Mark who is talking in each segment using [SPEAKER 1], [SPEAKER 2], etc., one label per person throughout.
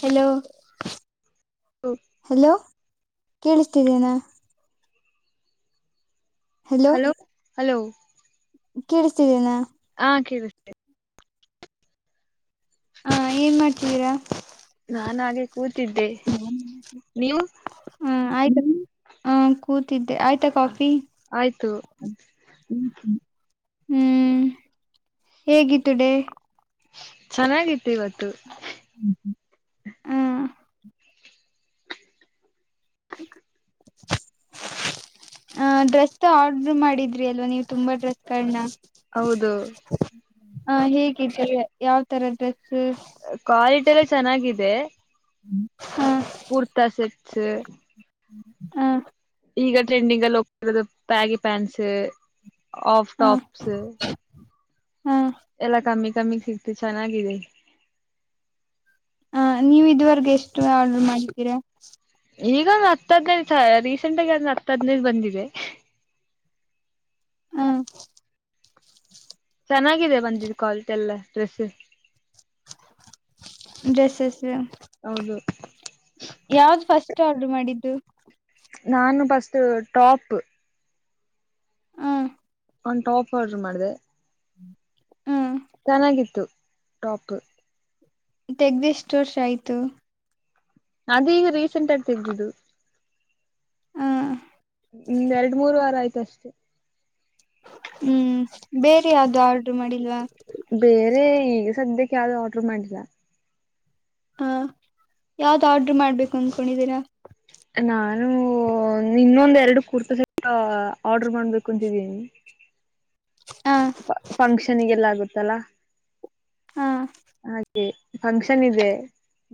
[SPEAKER 1] Hello hello ಕೇಳಿಸ್ತಿದ್ದೇನಾ
[SPEAKER 2] hello hello
[SPEAKER 1] ಕೇಳಿಸ್ತಿದ್ದೀನಾ
[SPEAKER 2] ಹಾ ಕೇಳಿಸತೇ
[SPEAKER 1] ಹಾ ಏನ್ ಮಾಡ್ತಿದ್ದೀರಾ
[SPEAKER 2] ನಾನ ಹಾಗೆ ಕೂತಿದ್ದೆ ನೀವು?
[SPEAKER 1] ಆಯ್ತು ಹ ಕೂತಿದ್ ಆಯ್ತ ಕಾಫಿ
[SPEAKER 2] ಆಯ್ತು
[SPEAKER 1] ಹೂ ಹೇಗಿತ್ತು ಡೇ
[SPEAKER 2] ಚೆನ್ನಾಗಿತ್ತು ಇವತ್ತು
[SPEAKER 1] [unintelligible] ಡ್ರೆಸ್ ಆರ್ಡರ್ ಮಾಡಿದ್ರಲ್ಲ ನೀವು ತುಂಬಾ ಡ್ರೆಸ್‌ನ
[SPEAKER 2] ಹೌದು
[SPEAKER 1] ಹೇಗೆ ಯಾವ ತರ ಡ್ರೆಸ್
[SPEAKER 2] ಕೊಡೆಯುತ್ತಿಯಲ್ಲ
[SPEAKER 1] ಹ
[SPEAKER 2] ಚೆನ್ನಾಗಿದೆ--ಕೊಡ್ತಾ
[SPEAKER 1] ಅ
[SPEAKER 2] ಈಗ ಟ್ರೆಂಡಿಂಗ್ ಎಲ್ಲ ಹೋಗ್ತಾ ಇದೆ ಬ್ಯಾಗಿ ಪ್ಯಾಂಟ್ಸ್
[SPEAKER 1] ಹ
[SPEAKER 2] [unintelligible]
[SPEAKER 1] ಹ
[SPEAKER 2] ಎಲ್ಲ ಚೆನ್ನಾಗಿದೆ
[SPEAKER 1] ಹ ಇದುವರೆಗೆ ಎಷ್ಟು ಆರ್ಡರ್ ಮಾಡಿದ್ದೀರಾ
[SPEAKER 2] ಈಗ ಹತ್ ಹದಿ ರೀಸೆಂಟ್
[SPEAKER 1] ಹಾ
[SPEAKER 2] ಚನ್ನಾಗಿದೆ ಬಂದಿದು ಕ್ವಾಲಿಟಿ ಎಲ್ಲ ಡ್ರೆಸ್ಸು
[SPEAKER 1] [unintelligible]
[SPEAKER 2] ಹೌದು
[SPEAKER 1] ಯಾವ್ದು ಫಸ್ಟ್ ಆರ್ಡರು ಮಾಡಿದ್ದು [inaudible]
[SPEAKER 2] ನಾನು ಬಷ್ಟು ಒರ್ತಾಯಿತು
[SPEAKER 1] ಹ
[SPEAKER 2] ಒಂದ್ ಟಾಪ್ ಆರ್ಡರು ಮಾಡ್ ದೆ
[SPEAKER 1] [inaudible]
[SPEAKER 2] ಚನ್ನಾಗಿತ್ತು ಟಾಪು
[SPEAKER 1] ತೆಗ್ದು ಎಷ್ಟು ವರ್ಷ ಆಯ್ತು
[SPEAKER 2] ಅದು ಈಗ ರೀಸೆಂಟ್ ಆಗಿ ತೆಗಿದಿದ್ದು
[SPEAKER 1] ಹಾ
[SPEAKER 2] ತರ್ಸದೆ
[SPEAKER 1] ಹೂ ಬೇರೆ ಯಾವ್ದು ಆರ್ಡರ್ ಮಾಡಿಲ್ವಾ
[SPEAKER 2] ಬೇರೆ ಈಗ ಸದ್ಯಕ್ಕೆ ಯಾವ್ದುಆರ್ಡರ್ ಮಾಡಿಲ್ಲ
[SPEAKER 1] ಹಾ ಯಾವ್ದು ಆರ್ಡರು ಮಾಡ್ಬೇಕಂನ್ಕೊಂಡಿದೀರಾ
[SPEAKER 2] ನಾನು ಇನ್ನೊಂದ ಎರಡು ಕುರ್ತಾ ಸೆಟ್ ಆರ್ಡರ್ ಮಾಡ್ಬೇಕು ಅಂತಿದೀನಿ
[SPEAKER 1] ಹ
[SPEAKER 2] ಫಂಕ್ಷನ್ಗೆಲ್ಲ ಆಗುತ್ತೆ ತ್ತಲಾ
[SPEAKER 1] ಹ
[SPEAKER 2] ಹಾ ಫಂಕ್ಷನ್ ಇದೆ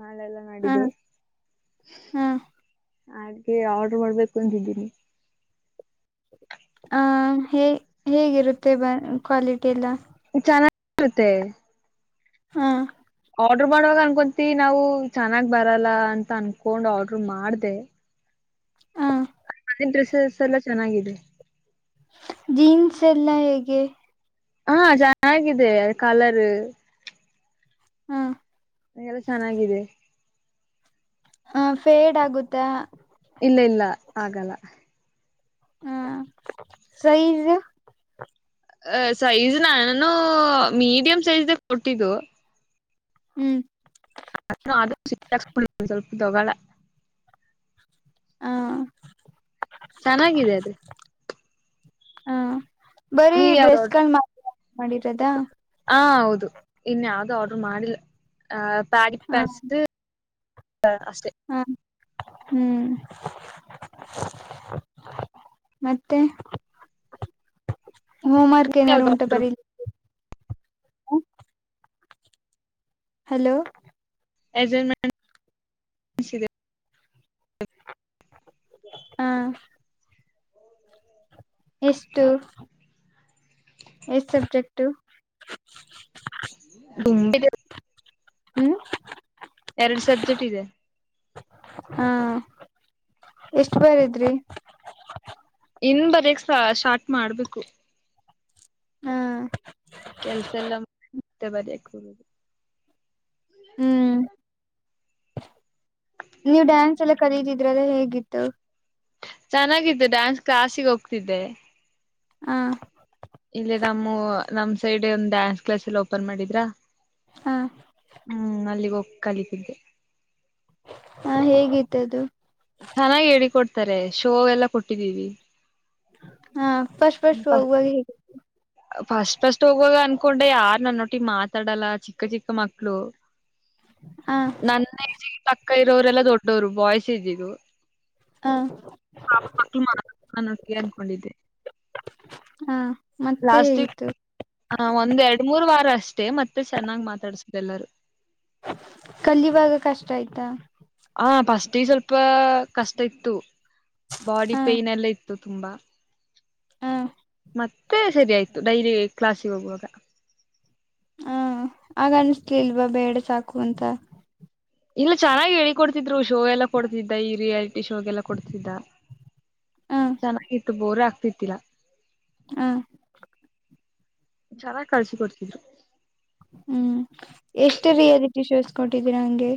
[SPEAKER 2] ನಾಳೆಲ್ಲ
[SPEAKER 1] ಹ
[SPEAKER 2] ನಾಡಿದ್ದು
[SPEAKER 1] ಹ
[SPEAKER 2] ಹಾಗೆ ಆರ್ಡ್ರ ಮಾಡ್ಬೇಕು ಅಂತಿದ್ದೀನಿ
[SPEAKER 1] ಆ ಹೇ ಹೇಗಿರುತ್ತೆ ಬ ಕ್ವಾಲಿಟಿ ಎಲ್ಲ
[SPEAKER 2] ಚನ್ನ ಇರುತ್ತೆ
[SPEAKER 1] ಹ್ಮ
[SPEAKER 2] ಆರ್ಡ್ರ ಮಾಡುವಾಗ ಅನ್ಕೊಂತೀ ನಾವು ಚೆನ್ನಾಗ್ ಬರಲ್ಲ ಅಂತ ಅನ್ಕೊಂಡ್ ಆರ್ಡ್ರ ಮಾಡ್ದ್ದೇ
[SPEAKER 1] ಹಾ
[SPEAKER 2] ಡ್ರೆಸಸ್ ಎಲ್ಲ ಚೆನ್ನಾಗಿದೆ
[SPEAKER 1] ಜೀನ್ಸ್ ಎಲ್ಲ ಹೇಗೆ
[SPEAKER 2] ಹಾ ಚೆನ್ನಾಗಿದೆ ಕಲರ್
[SPEAKER 1] ಹ್ಮ
[SPEAKER 2] ನಗೆಲ್ಲ ಚೆನ್ನಾಗಿದೆ
[SPEAKER 1] ಹ ಫೇಡ್ ಆಗುತ್ತೆ
[SPEAKER 2] ಇಲ್ಲ ಇಲ್ಲ ಆಗಲ್ಲ
[SPEAKER 1] ಹ್ಮ್ ಸೈಝು
[SPEAKER 2] ಅ ಸೈಜ್ ನ ನಾನು ಮೀಡಿಯಂ್ ಸೈಜ್್ದ ಕೊಟ್ಟಿದ್ದು
[SPEAKER 1] ಹ್ಮ್
[SPEAKER 2] ಅ ಸಿ ಸ್ಕೂ ಸ್ವಲ್ಪ ದೋಗೋಳ
[SPEAKER 1] ಹ
[SPEAKER 2] ಚೆನ್ನಾಗಿದೆ ಅದೆ
[SPEAKER 1] ಹಾ
[SPEAKER 2] ನೀವು ಯಾವ್ದ್
[SPEAKER 1] ಮಾಡಿರೋದಾ
[SPEAKER 2] ಹ ಹೌದು ಇನ್ ಯಾವ್ದು ಆರ್ಡರ್ ಮಾಡಿಲ್ಲ ಹ್ಮ್ ಸಾರಿ
[SPEAKER 1] ಹ
[SPEAKER 2] ಪಸ್ಟು ಹ ಅಷ್ಟೇ
[SPEAKER 1] ಹ ಹ್ಮ್ ಮತ್ತೆ ಹೋಂವರ್ಕ್ ಏನಾರೂ
[SPEAKER 2] ಯಾವ್ದು
[SPEAKER 1] ಉಂಟು ಏನಾರು
[SPEAKER 2] ಆರ್ಡರ್
[SPEAKER 1] ಬರೆಯಲಿಕ್ಕೆ ಹ ಹಲೋ
[SPEAKER 2] ಅಸೈನ್ಮೆಂಟ್ ಇದೆ
[SPEAKER 1] ಹಾ ಎಷ್ಟು ಎಷ್ಟು ಸಬ್ಜೆಕ್ಟ್
[SPEAKER 2] ಹಿಂದಿ ಬರೀಬೇಕು
[SPEAKER 1] ಹ್ಮ್
[SPEAKER 2] ಎರಡು ಸಬ್ಜೆಕ್ಟ್ ಇದೆ
[SPEAKER 1] ಎಷ್ಟು ಬಾರದಿರಿ
[SPEAKER 2] ಸ್ಟಾರ್ಟ್ ಮಾಡಬೇಕು
[SPEAKER 1] ಹ್ಮ್
[SPEAKER 2] ಬರೆಕೋಬೇಕು
[SPEAKER 1] ಹ್ಮ್ ನೀವ್ ಡ್ಯಾನ್ಸ್ ಎಲ್ಲ ಕಲೀರಿ ಹೇಗಿತ್ತು
[SPEAKER 2] ಚೆನ್ನಾಗಿತ್ತು ಡ್ಯಾನ್ಸ್ ಕ್ಲಾಸ್ ಗೆ ಹೋಗ್ತಿದ್ದೆ
[SPEAKER 1] ಹ್ಮ್
[SPEAKER 2] ಇಲ್ಲಿ ನಮ್ದು ನಮ್ ಸೈಡ್ಡ್ ಡ್ಯಾನ್ಸ್ ಕ್ಲಾಸ್ ಓಪನ್ ಮಾಡಿದ್ರಾ
[SPEAKER 1] ಹ
[SPEAKER 2] ಹ್ಮ್ಅಲಿಗೆ ಕಲಿತಿದ್ದೆ
[SPEAKER 1] ಹ್ಮ್ ಹೇಗಿತ್ತು ಅದು
[SPEAKER 2] ಚೆನ್ನಾಗಿ ಹೇಳಿಕೊಟ್ಟು ಶೋ ಎಲ್ಲ ಕೊಟ್ಟಿದ್ದೀವಿ
[SPEAKER 1] [inaudible] ಹ್ಮ್ ಫಸ್ಟ್ ಫಸ್ಟ್ ಹೋಗುವಾಗ ಹೇಗಿತ್ತು
[SPEAKER 2] ಫಸ್ಟ್ ಫಸ್ಟ್ ಹೋಗುವಾಗ ಅನ್ಕೊಂಡೆ ಯಾರು ನನ್ನವತ್ತಿ ಮಾತಾಡಲ್ವ ಚಿಕ್ಕ ಚಿಕ್ಕ ಮಕ್ಕಳು
[SPEAKER 1] ಹ
[SPEAKER 2] ನಾನು ಅಲ್ಲಿರೋರೆಲ್ಲ ದೊಡ್ಡವರು ಬಾಯ್ಸ್ ಇದ್ದಿದ್ದು
[SPEAKER 1] ಹ
[SPEAKER 2] ಮಕ್ಕಳು ನನ್ ಜೊತೆ ಮಾತಾಡಲ್ಲ ಅನ್ಕೊಂಡಿದ್ದೆ
[SPEAKER 1] ಹ
[SPEAKER 2] [unintelligible] [inaudible]
[SPEAKER 1] ಮತ್ತೆ ಹೇಗಿತ್ತು
[SPEAKER 2] ಾರ ಅಷ್ಟೇ ಮತ್ತೆ ಚೆನ್ನಾಗ್ ಮಾತಾಡ್ಸದೆ ಎಲ್ಲಾರೂ
[SPEAKER 1] ಕಲ್ಲಿುವಾಗ ಕಷ್ಟ ಆಯ್ತಾ
[SPEAKER 2] ಹಾ ಫಸ್ಟಿಗೆ ಸ್ವಲ್ಪ ಕಷ್ಟ ಇತ್ತು ಬಾಡಿ
[SPEAKER 1] ಹ
[SPEAKER 2] ಪೈನ್ ಎಲ್ಲ ಇತ್ ತು ತುಂಬ
[SPEAKER 1] ಹ
[SPEAKER 2] ಮತ್ತೆ ಸರಿ ಆಯ್ತು ಡೈರಿ ಕ್ಲಾಸಿಗೆ ಹೋಗುವಾಗ
[SPEAKER 1] ಹಾ ಆಗನ್ಿಸಲಿಲ್ವಾ ಬೇಡ ಸಾಕು ಅಂತ
[SPEAKER 2] ಇನ್ನೂ ಚೆನ್ನಾಗಿ ಹೇಳಿ ಕೊಡ್ತಿದ್ರು ಶೋ ಎಲ್ಲಾ ಕೊಡ್ತಿದ್ದ ಈ ರಿಯಾಲಿಟಿ ಶೋಗೆಲ್ಲಾ ಕೊಡ್ತಿದ್ದ
[SPEAKER 1] ಹ
[SPEAKER 2] ಚೆನ್ನಾಗಿತ್ತು ಬೋರ್ ಆಗ್ತಿತ್ ತ್ತಿರ
[SPEAKER 1] ಹ್ಮ
[SPEAKER 2] ಚನ್ನಾಗಿ್ ಕಳ್ಸ್ ಕೊಡ್ತಿದ್ರು
[SPEAKER 1] ಹ್ಮ್ ಎಷ್ಟು ರಿಯಾಲಿಟಿ ಶೋಸ್ ಕೊಟ್ಟಿದ್ದೀರ ಹಂಗೆ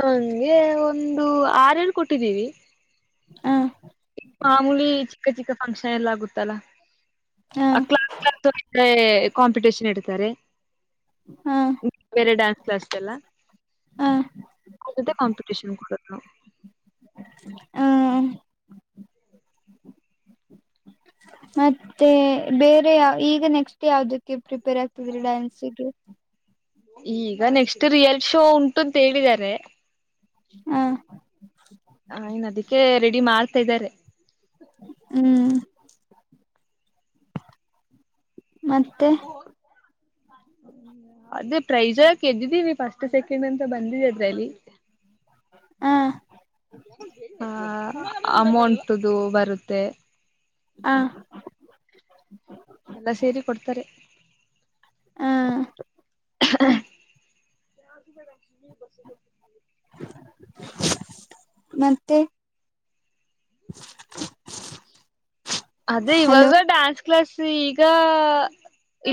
[SPEAKER 2] ಹಂಗೆ ಒಂದು - ಆರೇಳ್ು ಕೊಟ್ಟಿದ್ದೀವಿ
[SPEAKER 1] ಹಾ
[SPEAKER 2] ಮಾಮೂಲಿ ಚಿಕ್ಕ ಚಿಕ್ಕ ಫಂಕ್ಷನ್ ಎಲ್ಲ ಆಗುತ್ತಲ್ಲ
[SPEAKER 1] ಹ
[SPEAKER 2] ಆ ಕ್ಲಾಸ್ [unintelligible] [inaudible] ಕಾಂಪಿಟೇಷನ್ ಇಡ್ತಾರೆ
[SPEAKER 1] ಹ
[SPEAKER 2] ಬೇರೆ ಡ್ಯಾನ್ಸ್ ಕ್ಲಾಸ್ ಎಲ್ಲ
[SPEAKER 1] ಹ
[SPEAKER 2] [inaudible] [unintelligible] ಕಾಂಪಟೀಷನ್ ಕೊಡದು
[SPEAKER 1] ಹ್ಮ ಮತ್ತೇ ಬೇರೆ ಈಗ ನೆಕ್ಸ್ಟ್ ಯಾವದಕ್ಕೆ ಪ್ರಿಪೇರ್ ಆಗ್ತೀದೀರೀ ಡ್ಯಾನ್ಸಿಗೆ
[SPEAKER 2] ಈಗ ನೆಕ್ಸ್ಟ್ ರಿಯಲ್ ಶೋ ಉಂಟು ಅಂತ ಹೇಳಿದರೆ
[SPEAKER 1] ಹ್ಮ
[SPEAKER 2] ಹ ಇನ್ ಅದಕ್ಕೆ ರೆಡಿ ಮಾಡ್ತಿದರೆ
[SPEAKER 1] ಹ್ಮ್ ಮತ್ತೆ
[SPEAKER 2] ಅದೆ ಪ್ರೈಜಾಗ್ ಗೆದ್ದಿದೀವ್ ಫಸ್ಟು ಸೆಕೆಂಡು ಅಂತ ಬಂದಿದ್ ಅದ್ರಲ್ಲಿ
[SPEAKER 1] ಹಾ
[SPEAKER 2] ಹಾ ಅಯಾಮೌಂಟು ದು ಬರುತ್ತೇ
[SPEAKER 1] ಹಾ
[SPEAKER 2] ಎಲ್ಲಾಸೇರಿ ಕೊಡ್ತಾರೆ
[SPEAKER 1] ಹಾ
[SPEAKER 2] [unintelligible] [inaudible]
[SPEAKER 1] [unintelligible] ಮತ್ತೇ
[SPEAKER 2] ಅದೇ
[SPEAKER 1] ಹಲೋ
[SPEAKER 2] ಇವಾಗ ಡ್ಯಾನ್ಸ್ ಕ್ಲಾಸ್ ತು ಈಗಾ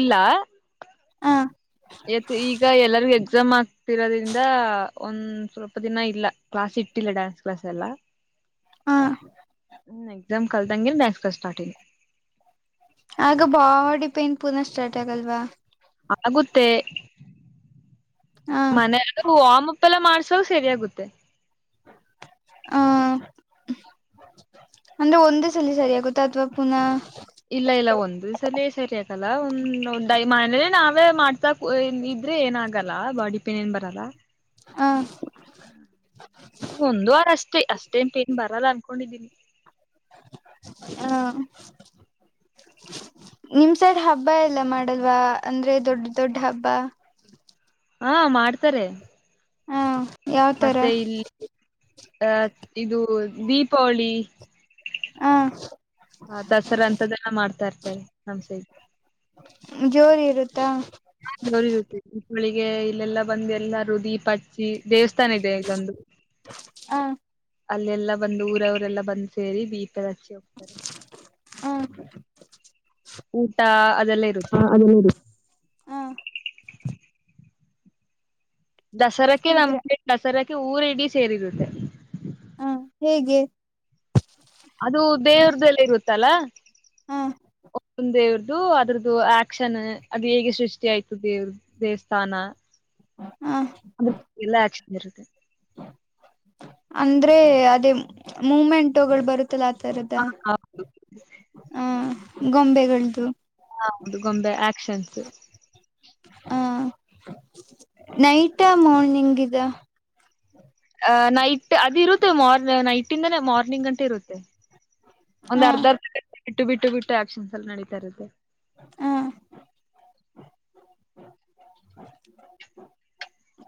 [SPEAKER 2] ಇಲ್ಲಾ
[SPEAKER 1] ಹಾ
[SPEAKER 2] ಇವತ್ ಈಗ ಎಲ್ಲರಿಗೂ ಎಕ್ಸಾಮ್ ಆಗ್ತಿರಾರಿಂದ ಒಂದ್ ಸ್ವಲ್ಪ ದಿನ ಇಲ್ಲ ಕ್ಲಾಸ್ ಇಟ್ಟಿಲ್ಲ ಡಾನ್ಸ್ ಕ್ಲಾಸ್ ಎಲ್ಲಾ.
[SPEAKER 1] ಆ
[SPEAKER 2] ಎಕ್ಸಾಮ್ ಕಳ್ದಂಗೆ ಡಾನ್ಸ್ ಕ್ಲಾಸ್ ಸ್ಟಾರ್ಟಿಂಗ್
[SPEAKER 1] ಟೈಟ್ ಹಾಗಲ್ವಾ
[SPEAKER 2] ಹಾಗುತ್ತೆ
[SPEAKER 1] ಹ
[SPEAKER 2] ಮನೆಗೆ ಹೋಮಮ್ ಇತರ ಮಾಡ್ಸು ಸರಿಯಾಗುತ್ತೆ
[SPEAKER 1] ಹಾ ಅಂದ್ರೆ ಒಂದೇ ಸಲಿ ಸರಿಯಾಗುತ್ತ ಇಲ್ಲ ಪುನಃ
[SPEAKER 2] ಇಲ್ಲ ಇಲ್ಲ ಒಂದೇ ಸಲಿ ಸರಿಯಾಗು [inaudible]
[SPEAKER 1] ಹಾ
[SPEAKER 2] [unintelligible] ಬರಲ್ಲ ಅನ್ಕೊಂಡಿದೀನಿ
[SPEAKER 1] ಅ ನಿಮ್ ಸೈಡ್ ಹಬ್ಬ ಎಲ್ಲಾ ಮಾಡಲ್ವಾ ಅಂದ್ರೆ ದೊಡ್ದ ದೊಡ್ದ ಹಬ್ಬ.
[SPEAKER 2] ಹಹ್ ಮಾಡ್ತಾರೆ
[SPEAKER 1] ಹ ಯಾವ್ತರ.
[SPEAKER 2] ಹಹ್ ಇದು ದೀಪಾವಳಿ
[SPEAKER 1] ಹ
[SPEAKER 2] ದಸರಾ ಅಂತಾದೆಲ್ಲ ಮಾಡ್ತಾ ಇರ್ತಾರೆ ನಮ್ ಸೈಡೂ
[SPEAKER 1] ಜೋರ್ ಇರುತ್ತಾ.
[SPEAKER 2] ಜೋರ್ ಇರುತ್ತೆ ದೀಪಾವಳಿ ಗೆ ಇಲ್ಲೇಲಾ ಬಂದ್ ಎಲ್ಲರೂ ದೀಪ ಹಚ್ಚಿ ದೇವಸ್ಥಾನ ಇದೆ ಎಲ್ಲೊಂದು
[SPEAKER 1] ಹ
[SPEAKER 2] ಹಲ್ಲೆಲಾ ಬಂದ್ ಊರೋರೆಲ್ಲ ಬಂದ್ ಸೇರಿ ದೀಪ್ ಹೆರಚಿ ಹೋಗ್ತಾರೆ.
[SPEAKER 1] ಹ
[SPEAKER 2] ಊಟಾ ಆತ್.
[SPEAKER 1] ಹಹ್ ಅಲ್ಲಿಡ್ಡಿ
[SPEAKER 2] ದಸರಾಕ್ಕೆ
[SPEAKER 1] ಫುಲ್ ಗ್ರಾ
[SPEAKER 2] ನಮ್ಗೆ ದಾಸರಕ್ಕೆ ಅದಕ್ಕೆ ಊರಿಡಿ ಸೇರಿರುತ್ತೆ.
[SPEAKER 1] ಹ ಹೇಗೆ
[SPEAKER 2] ಅದು ದೇವ್ರಿದೆಲ್ಲ ಇರುತ್ತಲ್ಲ
[SPEAKER 1] ಹ
[SPEAKER 2] ಒಂದ್ ದೇವ್ರ್ ಅದು ಅದುರದು ಆಕ್ಷನ್ ಅದು ಹೇಗ್ ಸೃಷ್ಟಿ ಆಯ್ತದ ದೇವ್ರಸ್ಥಾನ.
[SPEAKER 1] ಹ್ಮ
[SPEAKER 2] ಅ್ರ ಎಲ್ಲ ಇರುತ್ತೆ
[SPEAKER 1] ಅಂದ್ರೆ ಅದೇ ಮೂಮೆಂಟುಗಳು ಬರುತ್ತೆ ಹತ್ತಲ ಆತರದ
[SPEAKER 2] ಹ ಹೌದು
[SPEAKER 1] ಹಾ ಗೊಂಬೆಗಳ್ದು
[SPEAKER 2] ಹೌದು ಗೊಂಬೆ ಆಕ್ಷನ್ಸ್
[SPEAKER 1] ಹಾ ನೈಟಾ ಮಾರ್ನಿಂಗ್ ಇದ
[SPEAKER 2] ಅ ನೈಟ್ ಅದ ಇರುತ್ತೆ ಮಾರ್ ನೈಟ್ ಇಂದಾನೆ ಮಾರ್ನಿಂಗ್ ಗಂಟೆ ಇರುತ್ತೆ ಒಂದ್
[SPEAKER 1] ಹ
[SPEAKER 2] ಅರ್ಧರ್ಧ ಬಿಟ್ಟು ಬಿಟ್ಟು ಬಿಟ್ಟು ಆಪ್ಷನ್ಸ್ ನಡತಾ ಇರುತ್ತೆ.
[SPEAKER 1] ಹಾ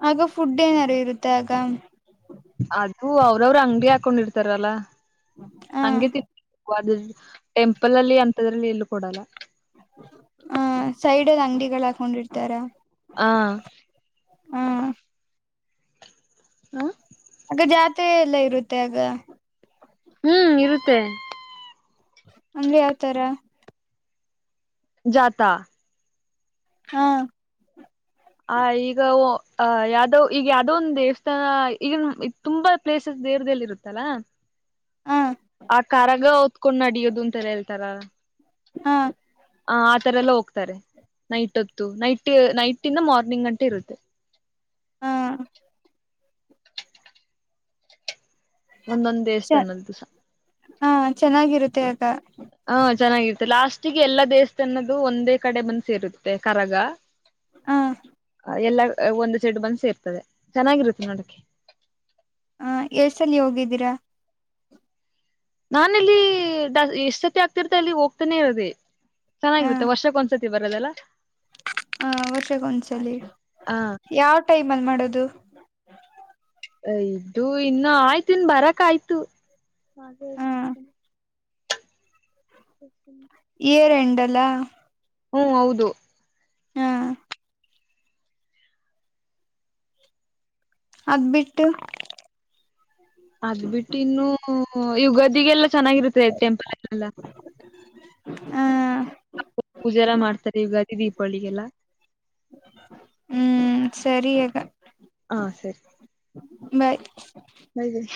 [SPEAKER 1] ಆಗ ಫುಡ್ ಏನಾರು ಇರುತ್ತೆ ಆಗ
[SPEAKER 2] ಅದು ಅವ್ರವರು ಅಂಗಡಿ ಹಾಕೊಂಡಿರ್ತಾರಲ್ಲ
[SPEAKER 1] ಹ
[SPEAKER 2] ಹಂಗೆ [unintelligible] ಟೆಂಪಲ್ ಅಲ್ಲಿ ಅಂ ದ್ರಲ್ಲಿ ಎಲ್ಲಿ ಕೊಡಲ್ಲ
[SPEAKER 1] ಹ ಸೈಡ್ದ್ ಅಂಗಡಿಗಳ ಹಾಕೊಂಡಿರ್ತಾರ
[SPEAKER 2] ಹಾ
[SPEAKER 1] ಹ
[SPEAKER 2] ಹ್ಮ
[SPEAKER 1] ಆಗ ಜಾತ್ರೆ ಎಲ್ಲ ಇರುತ್ತೆ ಆಗ
[SPEAKER 2] ಹ್ಮ್ ಇರುತ್ತೆ
[SPEAKER 1] ಅಂದ್ರೆ ಯಾವ್ತರ
[SPEAKER 2] ಜಾತಾ
[SPEAKER 1] ಹಾ
[SPEAKER 2] ಆ ಈಗ ಅ ಯಾವ್ದೋ ಈಗ ಯಾವ್ದೋ ಒಂದ ದೇವಸ್ಥಾನ ಈಗನ್ ತುಂಬಾ ಪ್ಲೇಸಸ್ ದೇರ್ದಲ್ಲಿ ಇರುತ್ತಲ್ಲ
[SPEAKER 1] ಹ
[SPEAKER 2] ಆ ಕರಗ ಹೊತ್ಕೊಂಡ್ ನಡಿಯೋದು ಅಂತಲ್ಲ ಹೇಳ್ತಾರ
[SPEAKER 1] ಹಾ
[SPEAKER 2] ಹ ಆ ತರ ಎಲ್ಲ ಹೋಗ್ತಾರೆ ನೈಟ್ ಹೊತ್ತು ನೈಟ್ ನೈಟ್ ಮಾರ್ನಿಂಗ್ ಗಂಟೆ ಇರುತ್ತೆ
[SPEAKER 1] ಹಾ
[SPEAKER 2] ಒಂದೊಂದ್ ದೇವಸ್ಥಾನದ್ದುಸ
[SPEAKER 1] ಚೆನ್ನಾಗಿರುತ್ತೆ [inaudible]
[SPEAKER 2] ಚೆನ್ನಾಗಿರುತ್ತೆ ಲಾಸ್ಟಿಗೆ ಎಲ್ಲ ದೇವಸ್ಥಾನದ ಒಂದೇ ಕಡೆ ಬಂದೆ ಸೇರುತ್ತೆ ಕಡಗ
[SPEAKER 1] ಹ
[SPEAKER 2] ಎಲ್ಲಾ ಚೆನ್ನಾಗಿರುತ್ತೆ ನೋಡಕ್ಕೆ
[SPEAKER 1] ಎಷ್ಟು ಸಲ ಹೋಗಿದ್ದೀರಾ
[SPEAKER 2] ನಾನಲ್ಲಿ ಚೆನ್ನಾಗಿರುತ್ತದೆ ವರ್ಷಗೊಂದು ಸಾರಥಿ ಬರದಲ್ಲ
[SPEAKER 1] ವರ್ಷ ಒಂದು ಸಾಲಿ
[SPEAKER 2] ಹ
[SPEAKER 1] ಯಾವ ಟೈಮ್ ಅಲ್ಲಿ ಮಾಡೋದು
[SPEAKER 2] ಅದು ಇನ್ನ ಆಯ್ತು ಬರಕಾಯ್ತು
[SPEAKER 1] ಹ
[SPEAKER 2] [inaudible]
[SPEAKER 1] ಎರಂಡಲಾ
[SPEAKER 2] ಹೂ ಹೌದು
[SPEAKER 1] ಅದ್ ಬಿಟ್ಟು
[SPEAKER 2] ಅದು ಬಿಟ್ಟು ಇನ್ನೂ ಯುಗಾದಿಗೆಲ್ಲ ಚೆನ್ನಾಗಿರುತ್ತೆ ಎಲ್ಲಾ
[SPEAKER 1] ಹ್ಮ್ ಅ
[SPEAKER 2] ಪೂಜಾರ ಮಾಡ್ತರಿ ಉಗಾದಿ ದೀಪಾವಳಿಗೆಲ್ಲ
[SPEAKER 1] ಹ್ಮ್ ಸರಿ ಅಗ
[SPEAKER 2] ಆ ಸರಿ
[SPEAKER 1] ಬಾಯ್
[SPEAKER 2] ಬಾಯ್ ಬಾಯ್